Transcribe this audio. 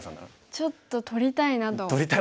ちょっと取りたいなと思いますね。